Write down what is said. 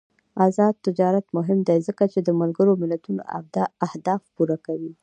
آزاد تجارت مهم دی ځکه چې د ملګرو ملتونو اهداف پوره کوي.